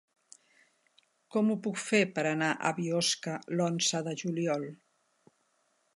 Com ho puc fer per anar a Biosca l'onze de juliol?